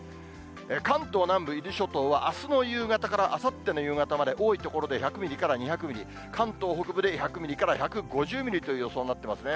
関東南部、伊豆諸島は、あすの夕方からあさっての夕方まで、多い所で１００ミリから２００ミリ、関東北部で１００ミリから１５０ミリという予想になっていますね。